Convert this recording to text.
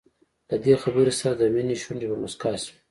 له دې خبرې سره د مينې شونډې په مسکا شوې.